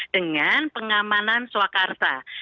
dengan pengamanan swakarsa